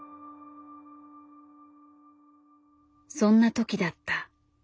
そんな時だった。